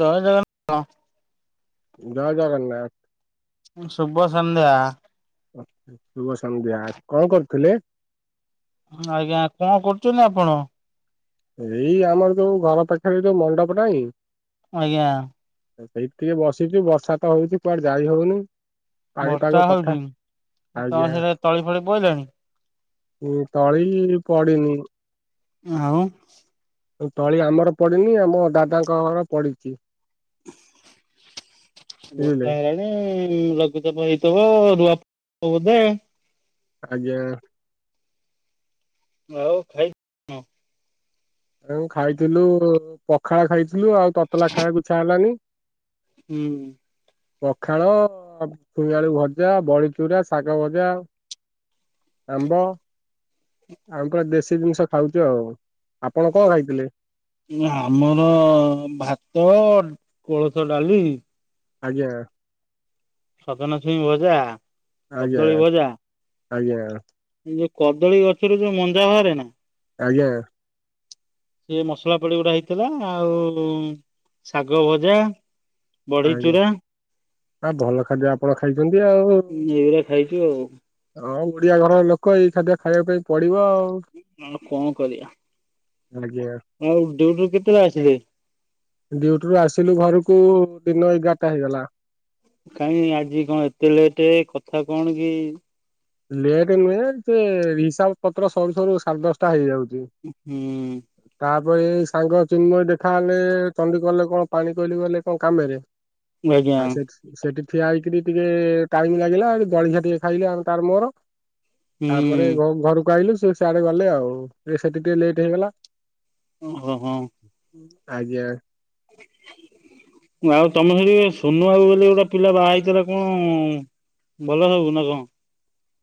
ଜୟ ଜଗନ୍ନାଥ ଜୟ ଜଗନ୍ନାଥ ଶୁଭ ସନ୍ଧ୍ୟା ଶୁଭ ସନ୍ଧ୍ୟା କଣ କରୁଥିଲେ? ଆଜ୍ଞା କଣ କରୁଛନ୍ତି ଆପଣ? ଏଇ ଆମର ଯୋଉ ଘର ପାଖରେ ଯୋଉ ମଣ୍ଡପ ନାହିଁ। ଆଜ୍ଞା। ସେଇଠି ଟିକେ ବସିଛି ବର୍ଷା ତ ହଉଛି କୁଆଡେ ଯାଇ ହଉନି। ବର୍ଷା ପାଣିପାଗ କଥା ହଉଚି ଆଜ୍ଞା ତମର ସେଟା ତଳି ଫଳି ପଇଲାଣି? ଏ ତଳି ପଡିନି। ଆଉ ତଳି ଆମର ପଡିିନି ଆମ ଦାଦାଙ୍କ ଘର ପଡିଛି। ବୁଝିଲେ ବର୍ଷା ଆଇଲାଣି ହୁଁ ଲଘୁଚାପ ହେଇଥିବ ରୁଆ ବୋଧେ। ଆଜ୍ଞା। ଆଉ ଭାଇ ଆ ଖାଇଥିଲୁ ପଖାଳ ଖାଇଥିଲୁ ଆଉ ତତଲା ଖାଇବାକୁ ଇଚ୍ଛା ହେଲାନି। ହୁଁ ପଖାଳ ଛୁଇଁ ଆଳୁ ଭଜା ବଡିଚୁରା ଶାଗ ଭଜା। ଆମ୍ବ ଆମେ ପୁରା ଦେଶୀ ଜିନିଷ ଖାଉଚୁ ଆଉ ଆପଣ କଣ ଖାଇଥିଲେ? ହୁଁ ଆମର ଭାତ କୋଳଥ ଡାଲି ଆଜ୍ଞା। ସଜନା ଛୁଇଁ ଭଜା ଆଜ୍ଞା କଦଳୀ ଭଜା ଆଜ୍ଞା। ଯୋଉ କଦଳୀ ଗଛରୁ ଯୋଉ ମଞା ବାହାରେ ନାଁ। ଆଜ୍ଞା। ସେ ମସଲା ପଡି ଗୋଟେ ହେଇଥିଲା ଆଉ ଶାଗ ଭଜା ବଢି ଆଜ୍ଞା ଚୁରା ଆ ଭଲ ଖାଦ୍ୟ ଆପଣ ଖାଇଛନ୍ତି ଆଉ। ଏଇଗୁରା ଖାଇଛୁ ଆଉ। ହଁ ଓଡିଆ ଘରର ଲୋକ ଏଇ ଖାଦ୍ୟ ଖାଇବା ପାଇଁ ପଡିବ ଆଉ। ଆଉ କଣ କରିବା। ଆଜ୍ଞା। ଆଉ ଡିଉଟୁରୁ କେତେବେଳେ ଆସିବେ। ଡିଉଟିରୁୁ ଆସିଲୁ ଘରକୁ ଦିନ ଏଗାରଟା ହେଇଗଲା। କାହିଁ ଆଜି କଣ ଏତେ ଲେଟ୍ କଥା କଣ କି ଲେଟ୍ ନୁହେଁ ସେ ହିସାବ ପତ୍ର ସରୁ ସରୁ ସାଢ଼େ ଦଶଟା ହେଇଯାଉଚି। ହୁଁ ତାପରେ ଏଇ ସାଙ୍ଗ ଚିନ୍ମୟ ଦେଖା ହେଲେ ଚଣ୍ଡିଖୋଲ କଲେ କଣ ପାଣିକୋଇଲି ଗଲେ କଣ କାମରେ ଆଜ୍ଞା ଆଉ ସେଠି ସେଠି ଠିଆ ହେଇକିରି ଟିକେ ଟାଇମ ଲାଗିଲା ଜଳଖିଆ ଟିକେ ଖାଇଲେ ଆମ ତାର ମୋର ତାପରେ ହୁଁ ଘରକୁ ଆଇଲୁ ସେ ସିଆଡେ ଗଲେ ଆଉ ଏ ସେଠି ଟିକେ ଲେଟ୍ ହେଇଗଲା। ହଁ ହଁ ଆଜ୍ଞା। ଆଉ ତମେ ସେଠି ସୁନୁଆକୁ ବୋଲି ଗୋଟେ ପିଲା ବାହା ହେଇଥିଲା କଣ ଭଲ ସବୁ ନାଁ କଣ?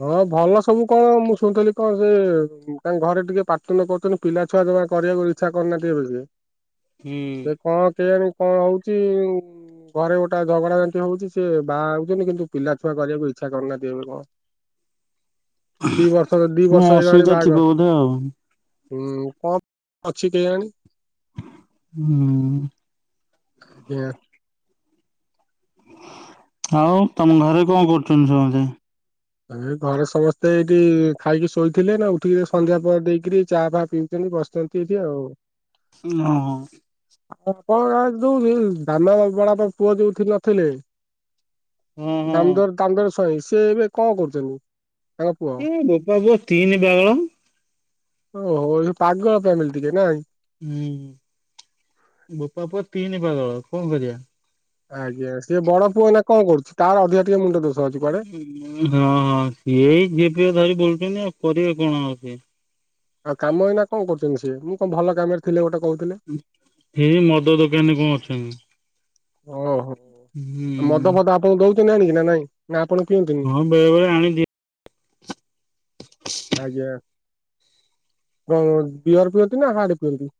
ହଁ ଭଲ ସବୁ କଣ ମୁଁ ଶୁଣୁଥିଲି କଣ ସେ ତାଙ୍କ ଘରେ ଟିକେ ପାଟି ତୁଣ୍ଡ କରୁଛନ୍ତି। ପିଲା ଛୁଆ ଜମା କରିବାକୁ ଇଚ୍ଛା କରୁନାହାନ୍ତି ଏବେ ହୁଁ ସେ କଣ କେଇଆଣି - କଣ ହଉଚି। ଘରେ ଗୋଟେ ଝଗଡା ଯାଣ୍ଟି ହଉଛି ସିଏ ବାହା ହଉଛନ୍ତି କିନ୍ତୁ ପିଲା ଛୁଆ କରିବାକୁ ଇଚ୍ଛା କରୁନାହାନ୍ତି ଏବେ କଣ। ଦି ବର୍ଷ ଦି କଣ ବର୍ଷ ହେଇଲାଣି ଅସୁବିଧା ଥିବ ବୋଧେ ଆଉ। ବାହାଘର ହୁଁ କଣ ଅଛି କେଇୟାଣି। ହୁଁ ଆଜ୍ଞା ଆଉ ତମ ଘରେ କଣ କରୁଛନ୍ତି ସମସ୍ତେ ଆ ଘରେ ସମସ୍ତେ ଏଇଠି ଖାଇକି ଶୋଇଥିଲେ ନା ଉଠିକି ସନ୍ଧ୍ୟା ପରେ ଦେଇକିରି ଚା ଫା ପି ବସିଚନ୍ତି ଏଇଠି ଆଉ। ହଁ ଆଉ କଣ ଯୋଉଠି ଧାନ ବଡ ବାପା ପୁଅ ଯୋଉଠି ନଥିଲେ ହଁ ହଁ ଦାମୋଦର ଦାମୋଦର ସ୍ବାଇଁ ସିଏ ଏବେ କଣ କରୁଛନ୍ତି ତାଙ୍କ ପୁଅ? ଏ ବୋପା ପୁଅ ତିନି ପାଗଳ ଓହୋ ଏ ପାଗଳ ଫ୍ୟାମିଲ ଟିକେ ନାଇଁ ହୁଁ ବୋପା ପୁଅ ତିନି ପାଗଳ କଣ କରିବା ଆଜ୍ଞା ସିଏ ବଡ ପୁଅ ଏଇନା କଣ କରୁଛି ତାର ଅଧିକା ଟିକେ ମୁଣ୍ଡ ଦୋଷ ଅଛି କୁଆଡ଼େ ହଁ ହଁ ସିଏ ଏଇ ଝିଅ ଫିଅ ଧରି ବୁଲୁଛନ୍ତି ଆଉ କରିବେ କଣ ଆଉ ସିଏ ଆଉ କାମ ଏଇ ନା କଣ କରୁଛନ୍ତି ସିଏ ମୁଁ କଣ ଭଲ କାମରେ ଥିଲେ ଗୋଟେ କହୁଥିଲେ ହେଇ ମଦ ଦୋକାନୀରେ କଣ ଅଛନ୍ତି ଓହୋ ମଦ ହୁଁ ଫଦ ଆପଣଙ୍କୁ ଦଉଛନ୍ତି ଆଣିକି ନା ନାଇଁ ନା ଆପଣ ପିଅନ୍ତି ନି। ହଁ ବେଳେ ବେଳେ [unintelligible] ଆଜ୍ଞା କ'ଣ ବିଅର ପିଅନ୍ତି ନା ହାଡେ ପିଅନ୍ତି।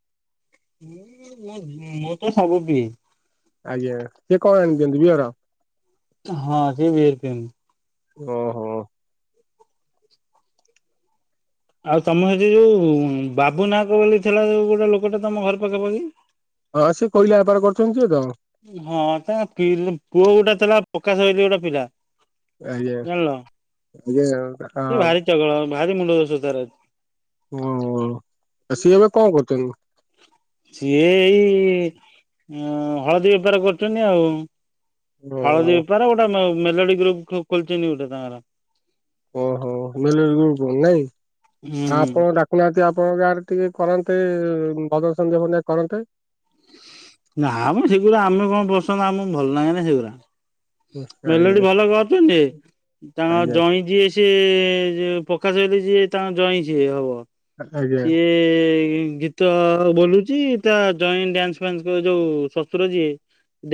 ମୁଁ, ମୁଁ ତ ସବୁ ପିଏ। ଆଜ୍ଞା ସିଏ କ'ଣ ଆଣିଛନ୍ତି ବିଅର। ହଁ ସିଏ ବିିଅର ପିଅନ୍ତି। ଓହୋ। ଆଉ ତମ ସେଠି ଯୋଉ ବାବୁ ନାହକ ବୋଲି ଥିଲା ଯୋଉ ଗୋଟେ ଲୋକଟେ ତମ ଘର ପାଖା ପାଖି। ହଁ ସିଏ କୋଇଲା ବେପାର କରୁଛନ୍ତି ଯିଏ ତ। ହଁ ତା ପି ପୁଅ ଗୋଟେ ଥିଲା ପ୍ରକାଶ ବୋଲି ଗୋଟେ ପିଲା। ଆଜ୍ଞା, ଜାଣିଲ। ଆଜ୍ଞା ଆଉ ଟା। ସିଏ ଭାରି ଚଗଲା ଭାରି ମୁଣ୍ଡ ଦୋଷ ତାର ଅଛି। ଓ ଆଉ, ଆଉ ସିଏ ଏବେ କ'ଣ କରୁଛନ୍ତି। ସିଏ ଏଇ ହଳଦୀ ବେପାର କରୁଛନ୍ତି ଆଉ। ହଳଦୀ ଓ ବେପାର ଗୋଟେ ମେ ମେଲୋଡି ଗ୍ରୁପ୍ ଖୋଲିଛନ୍ତି ଗୋଟେ ତାଙ୍କର। ଓହୋ ମେଲୋଡି ଗ୍ରୁପ ନାଇଁ ହୁଁ ଆଉ ଆପଣ ଡା। ନିହାତି ଆପଣଙ୍କ ଗାଁରେ ଟିକେ କରନ୍ତେ ଭଜନ ସନ୍ଧ୍ୟା, ଫନ୍ଧ୍ୟା କରନ୍ତେ। ନା ମ ସେଗୁଡ଼ା ଆମେ କ'ଣ ପସନ୍ଦ ଆମକୁ ଭଲ ଲାଗେ ନା ସେଗୁଡା। ମେଲୋଡ଼ି ଆଜ୍ଞା ଭଲ କରୁଛନ୍ତି ତାଙ୍କ ଆଜ୍ଞା ଜଇଁ ଯିଏ। ସିଏ ଯିଏ ପ୍ରକାଶ ଭାଇର ଯିଏ ତାଙ୍କ ଜଇଁ ସିଏ ହବ। ଆଜ୍ଞା ସିଏ ଗୀତ ବୋଲୁଛି ତା ଜଇଁ ଡ୍ୟାନ୍ସ, ଫ୍ୟାନ୍ସ। ତୁ ଯୋଉ ଶଶୁର ଯିଏ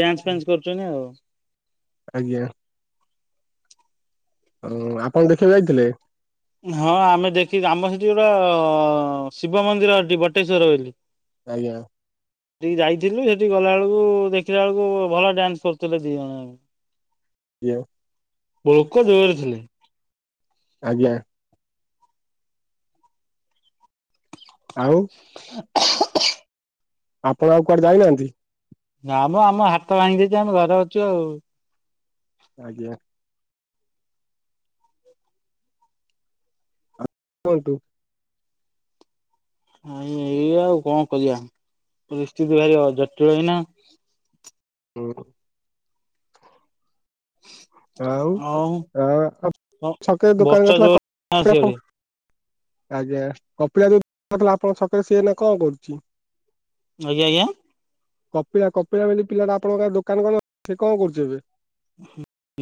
ଡ୍ୟାନ୍ସ ଫ୍ୟା ନ୍ସ କରୁଛନ୍ତି ଆଉ। ଆଜ୍ଞା। ହଁ ଆଉ ଆପଣ ଦେଖିବାକୁ ଯାଇଥିଲେ। ହଁ ଆମେ ଦେଖିକି ଆମ ସେଠି ପୁରା ଗୋଟେ ଶିବ ମନ୍ଦିର ଅଛି ବଟେଶ୍ଵର ବେଲି। ଆଜ୍ଞା। ସେଠିକି ଯାଇଥିଲୁ ସେଠିକି ଗଲାବେଳୁକୁ ଦେଖିଲା ବେଳୁକୁ ଭଲ ଡ୍ୟାନ୍ସ କରୁଥିଲେ ଦି ଜଣ ଯାକ। ଇଓ ଲୋକ ଜୋରେ ଥିଲେ। [inaudible] ଆଜ୍ଞା। ଆଉ ଆପଣ ଆଉ କୁଆଡେ ଯାଇନାହାନ୍ତି। ନା ମଁ ଆମ ହାତ ଭାଙ୍ଗି ଯାଇଛି ଆମେ ଘରେ ଅଛୁ ଆଉ। ଆଜ୍ଞା। କୁହନ୍ତୁ। ଆଇ ଏଇ ଆଉ କ'ଣ କରିବା ପରିସ୍ଥିତି ଭାରି ଜଟିଳ ଏଇନା। ଉଁ ହୁଁ। ଆଉ ଆ ହ ଛକ ରେ ବର୍ଷା ଜୋର ଦୋକାନଥିଲା। ସିଆଡେ [inaudible] ଆଜ୍ଞା କପିଳା ଯୋଉଥିଲା ଆପଣଙ୍କ ଛକରେ ସିଏ ଏଇନା କ'ଣ କରୁଛି। ଆଜ୍ଞ, ଆଜ୍ଞା। କପିଳା, କପିଳା ବୋଲି ପିଲାଟା ଆପଣଙ୍କ ଗାଁରେ ଦୋକାନ କରିନଥିଲା ସେ କ'ଣ କରୁଛି ଏବେ।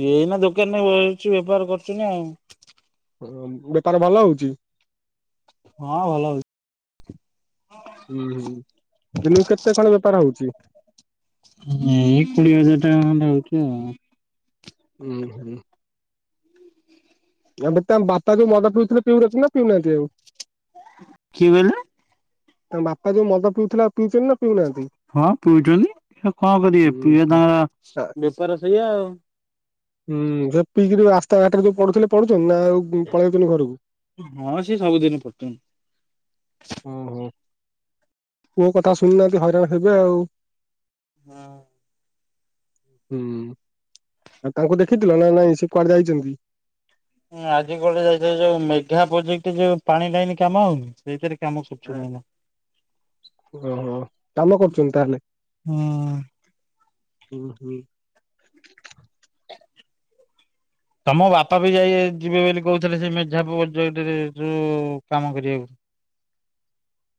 ଇଏ ଏଇନା ଦୋକାନରେ ବଉଛି ବେପାର କରୁଛି ନା ଆଉ। ହଁ ବେପାର ଭଲ ହଉଛି। ହଁ ଭଲ ହଉଛି। ହୁଁ, ହୁଁ ଦିନକୁ କେତେ କ'ଣ ବେପାର ହଉଛି। ଏଇ କୁଡ଼ିଏ ହଜାର ଟଙ୍କା ଖଣ୍ଡେ ହଉଛି ଆଉ। ହୁଁ, ହୁଁ। ଏବେ ତାଙ୍କ ବାପା ଯଉ ମଦ ପିଉଥିଲେ ପିଉ ନଥିଲେ ନା ପିଉନାହାନ୍ତି ଆଉ। କି ବେଇଲେ। ତାଙ୍କ ବାପା ଯୋଉ ମଦ ପିଉଥିଲା ଆଉ ପିଉଚନା। ହଁ ପିଉଚନ୍ତି କଣ କରିବେ ହୁଁ ପିଇବେ ହୁଁ। ତାଙ୍କ ବେପାର ସେଇଆ ଆଉ। ହୁଁ ସେ ପିଇକି ଯ ରାସ୍ତାଘାଟରେ ଯୋଉ ପଢୁଥିଲେ ପଢୁଚନ୍ ନା ଆଉ ପଳେଇଚନ୍ତିି ଘରକୁ। ହଁ ସିଏ ସବୁଦିନ ପରଚନ୍ତ। ହଉ ହ। କୋଉ କଥା ଶୁଣିନାହାନ୍ତି ହଇରାଣ ହେବେ ଆଉ। ନାଁ। ହୁଁ ଆଉ ତାଙ୍କୁ ଦେଖିଥିଲ ନା ନାଇଁ ସେ କୁଆଡେ ଯାଇଛନ୍ତି। ହଁ ଆଜି ଗଲେ [unintelligible] କ ଯାଇଥିଲ ଯୋଉ ମେଘା ପ୍ରୋଜେକ୍ଟ ଯୋଉ ପାଣି ଲାଇନ କାମ ହଉନି। ସେଇଥିରେ କାମ ଆ ସୁଛୁ ନାହିଁ ନା। ଓହୋ କାମ କରୁଛନ୍ତି ତାହେଲେ। ହୁଁ। ହୁଁ ହୁଁ। ତମ ବାପା ବି ଯାଇ ଯିବେ ବୋଲି କହୁଥିଲେ ସେ ମେଝା ପ୍ରୋଜେକ୍ଟରେ ଯୋଉ କାମ କରିଆକୁ।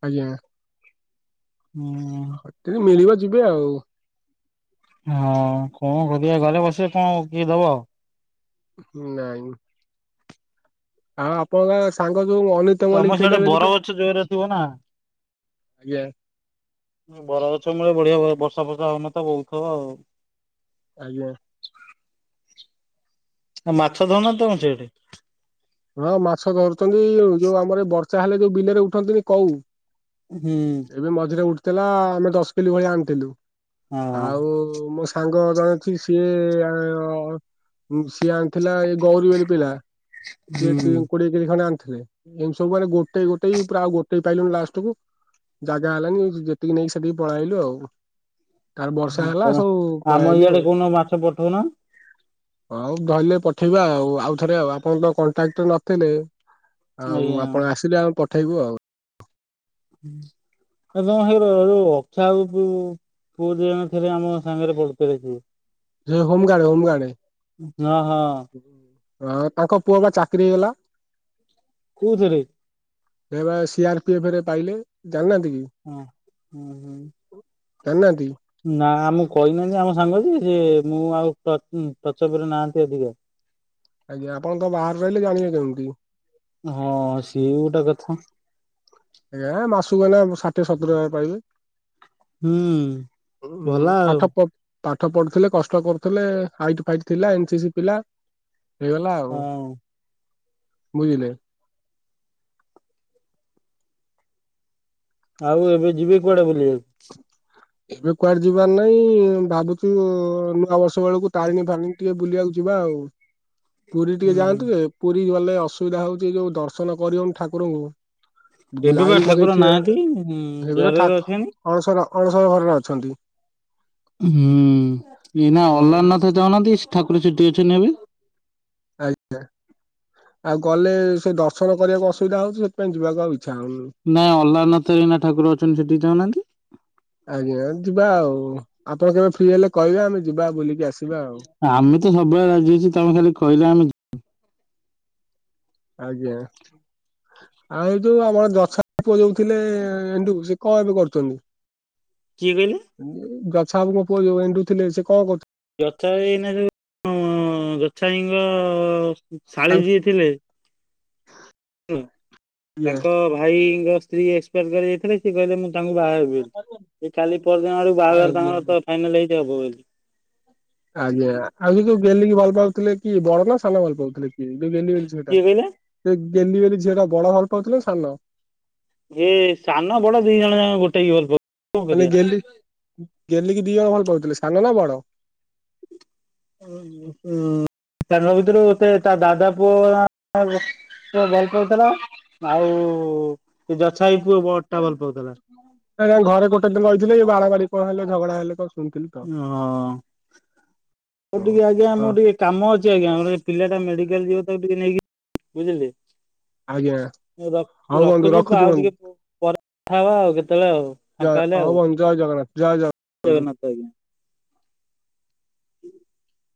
ଆଜ୍ଞା। ହୁଁ। ଏଠିକି ନୁଣିଆ ଯିବେ ଆଉ। ହଁ କଣ କରିଆ ଘରେ ବସିବେ କଣ କିଏ ଦବ। ନାଇଁ। ଆଉ ଆପଣଙ୍କ ସାଙ୍ଗ ଯୋଉ ଅନିତ ତମ ମଲ୍ଲିକ ସିଆଡେ ଥିଲେ ବୋଲିିକ। ବରଗଛ ଜୋରେ ଥିବ ନା। ଆଜ୍ଞା। ବର ଗଛ ମୂଳେ ବଢିଆ ବର୍ଷା ଫର୍ଷା ହଉନଥିବ ବୁଲଥିବ ଆଉ। ଆଜ୍ଞା। ଆଉ ମାଛ ଧଉନା ତଣ ସିଆଡେ? ହଁ ମାଛ ଧରୁଛନ୍ତି ଯୋଉ ଆମର ବର୍ଷା ହେଲେ ଯୋଉ ବିଲରେ ଉଠନ୍ତିନି କୋଉ। ହୁଁ ଏବେ ମଝିରେ ଉଠୁଥିଲା ଆମେ ଦଶ କିଲୋ ଭଳିଆ ଆଣିଥିଲୁ ହଁ ଆଉ ମୋ ସାଙ୍ଗ ଜଣେ ଅଛି ସିଏ ସିଏ ଆଣିଥିଲା ଏ ଗୌରୀବଲି ପିଲା। ସିଏ କୋଡିଏ କେଜି ଖଣ୍ଡେ ଆଣିଥିଲେ ଏମିତି ସବୁ ମାନେ ଗୋଟେଇ ଗୋଟେଇ ପୁରା ଆଉ ଗୋଟେଇ ପାଇଲୁନି ଲାଷ୍ଟ କୁ ଜାଗା ହେଲାନି ଯେତିକି ନେଇକି ସେତିକି ପଳେଇଲୁ ଆଉ। ତାର ବର୍ଷା ହେଲା ହୁଁ। ସବୁ ଆମ ପଳେଇଲୁ ଇଆଡେ ଆଉ। କୋଉଦିନ ମାଛ ପଠଉନ ହଉ ଧଇଲେ ପଠେଇବା ଆଉ ଆଉଥରେ ଆଉ ଆପଣ ତ କଣ୍ଟାକ୍ଟ ନଥିଲେ। ଆଉ ଆଜ୍ଞା। ଆପଣ ଆସିଲେ ଆ ପଠେଇବୁ ଆଉ। ହୁଁ। [unintelligible] ଦି ଜଣ ଥିଲେ ଆମ ସାଙ୍ଗରେ ପଡି [unintelligible] ହମ ଗାର୍ଡ ହମ ଗାର୍ଡ। ହଁ ହଁ ହଁ ତାଙ୍କ ପୁଅ ବା ଚାକିରି ହେଇଗଲା। କୋଉଥିରେ ହେବା ସିଆର ପି ଏଫ ରେ ପାଇଲେ ଜାଣିନାହାନ୍ତି କି। ହଁ ହୁଁ ହୁଁ। ଜାନାନ୍ତି। ନା ଆମକୁ କହିନାହାନ୍ତି ଆମ ସାଙ୍ଗ ଯେ ସେ ମୁଁ ଆଉ ଟ ଟଚବରେ ନାହାନ୍ତି ଅଧିକ। ଆଜ୍ଞା ଆପଣ ତ ବାହାରେ ରହିଲେ ଜାଣିବେ କେମିତି। ହଁ ସିଏ ବି ଗୋଟେ କଥା। ଆଜ୍ଞା ମାସକୁ ଏଇନା ଷାଠିଏ ସତୁରୀ ହଜାର ପାଇବେ। ହୁଁ ଭଲ ଆଉ ପାଠ ପ ପାଠ ପଢୁଥିଲେ କଷ୍ଟ କରୁଥିଲେ ହାଇଟ ଫାଇଟ ଥିଲା ଏନ୍ସିସି ପିଲା ହେଇଗଲା ଆଉ ହଁ। ବୁଝିଲେ। ଆଉ ଏବେ ଯିବେ କୁଆଡେ ବୁଲିବାକୁ? ଏବେ କୁଆଡେ ଯିବାର ନାଇଁ ଭାବୁଚୁ ନୂଆ ବର୍ଷ ବେଳକୁ ତାରଣୀ ଫାରିଣି ଟିକେ ବୁଲିବାକୁ ଯିବା ଆଉ ପୁରୀ ଟିକେ ହୁଁ ଯାଆନ୍ତୁ ଯେ ପୁରୀ ଗଲେ ଅସୁବିଧା ହେଉଚି ଏ ଯୋଉ ଦର୍ଶନ କରିହେଉନି ଠାକୁରୁଙ୍କୁ ଏବେ ବା ଲାଇନି ଲଗେଇ ଠାକୁର ଠିଆ ନାହାନ୍ତି ହେବେ ତ ଜରରେ ଠା ଅଛନ୍ତି। ଅଣସର ଅଣସର ଘରରେ ଅଛନ୍ତି। ହୁଁ ଏଇନା ଆଉ ଅଲ୍ଲାରନାଥ ଯାଉ ନାହାନ୍ତି ଠାକୁର ସେଟି ଅଛନ୍ତି ଏବେ। ଆଜ୍ଞା। ଆଉ ଗଲେ ସେ ଦର୍ଶନ କରିବାକୁ ଅସୁବିଧା ହୋଉଚି ସେଥିପାଇଁ ଯିବାକୁ ଆଉ ଇଚ୍ଛା ହୋଉନି। ନାଇଁ ଅଲ୍ଲାରନଥ ରୀନା ଠାକୁର ଅଛନ୍ତି ସେଠିକି ଚାହୁଁନାହାନ୍ତି। ଆଜ୍ଞା ଯିବା ଆଉ ଆପଣ କେବେ ଫ୍ରି ହେଲେ କହିବେ ଆମେ ଯିବା ବୁଲିକି ଆସିବା ଆଉ। ଆମେ ତ ସବୁବେଳେ ରାଜି ଅଛି ତମେ ଖାଲି କହିଲେ ଆମେ ଆଜ୍ଞା। ଆଉ ଏଇ ଯୋଉ ଆମର ଯଛା ପୁଅ ଯୋଉ ଥିଲେ ଏଣ୍ଡୁ ସେ କଁ ଏବେ କରୁଚନ୍ତି। କିଏ କହିଲେ ଜଛା ଆବୁଙ୍କ ପୁଅ ଯୋଉ ଏଣ୍ଡୁ ଥିଲେ ସେ କଣ କରୁଚ ଜଛା ଭାଇ ଏଇନା ଯୋଉ ଉଁ ଜଛାଇଙ୍କ ଶାଳୀ ଯିଏ ଥିଲେ ଆଜ୍ଞା ତାଙ୍କ ଭାଇଙ୍କ ସ୍ତ୍ରୀ ଏକ୍ସପାର କରି ଯାଇଥିଲେ ସିଏ କହିଲେ ମୁଁ ତାଙ୍କୁ ବାହାହେବି ଏ କାଲି ପର ଦିନ ଆଡ଼କୁ ବାହାଘର ଆଜ୍ଞା ତାଙ୍କର ତ ଫାଇନାଲ ହେଇଚି ହବ ବୋଲି। ଆଜ୍ଞା ଆଉ ସେଉ ଗେଲିକି ଭଲ ପାଉଥିଲେ କି ବଡ ନା ସାନ ଭଲ ପାଉଥିଲେ। ଯୋଉ ଗେଲି ବୋଲି ଝିଅ ଟା କିଏ କହିଲେ ସେ ଗେଲିବେଲି ଝିଅଟା ବଡ ଭଲ ପାଉଥିଲା ସାନ। ଏ ସାନ ବଡ ଦି ଜଣ ଯାକ ଗୋଟେ ୟିଅର୍ ବୁ ମାନେ ଗେଲି ଗେଲି କି ଦି ଜଣ ଭଲ ପାଉଥିଲେ ସାନ ନା ବଡ? [inaudible] ତାଙ୍କ ଭିତୁରୁ ସେ ତା ଦାଦା ପୁଅ ଭଲ ପାଉଥିଲା ଆଉ ସେ ଯଛା ଆଇ ପୁଅ ବଡ ଟା ଭଲ ପାଉଥିଲା। ନାଁ ତାଙ୍କ ଘରେ ଗୋଟେ ଦିନ ରହିଥିଲେ ଏଇ ବାଡାବାଡି କଣ ହେଲେ ଝଗଡ଼ା ହେଲେ କଣ। ଶୁଣିଥିଲି ତ ହଁ ହଉ ଟିକେ ଆଜ୍ଞା ହଁ। ମୁଁ ଟିକେ କାମ ଅଛି ଆଜ୍ଞା ଗୋଟେ ପିଲା ଟା ମେଡିକାଲ ଯିବ ତାକୁ ଟିକେ ନେଇକି ବୁଝିଲେ। ଆଜ୍ଞା ରଖ ହଉ ବନ୍ଧୁ ରଖୁଚି ପ ରଖୁଛି ଆଉ ବନ୍ଧୁ ଟିକେ ପରେ କଥା ହବା ଆଉ କେତେବେଳେ ଆଉ। ଜୟ ଫାଙ୍କା ହେଲେ ହଁ ଆଉ ବନ୍ଧୁ ଜୟ ଜଗନ୍ନାଥ ଜୟ ଜଗ ଜଗନ୍ନାଥ [inaudible] [inaudible]